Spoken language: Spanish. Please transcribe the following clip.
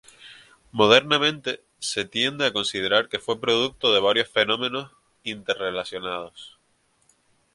Modernamente se tiende a considerar que fue producto de varios fenómenos interrelacionados.